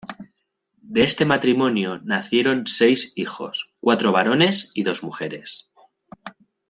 De este matrimonio nacieron seis hijos, cuatro varones y dos mujeres.